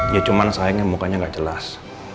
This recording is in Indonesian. ya cuman sayangnya mukanya nggak jelas